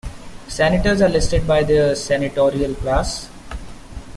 Senators are listed by their Senatorial Class.